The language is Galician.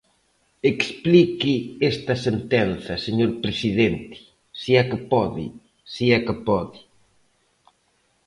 Explique esta sentenza, señor presidente, se é que pode, se é que pode.